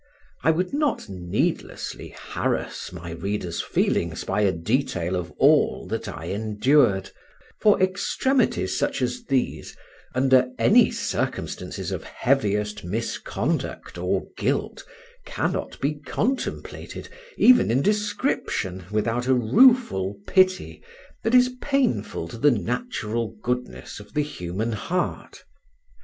I would not needlessly harass my reader's feelings by a detail of all that I endured; for extremities such as these, under any circumstances of heaviest misconduct or guilt, cannot be contemplated, even in description, without a rueful pity that is painful to the natural goodness of the human heart.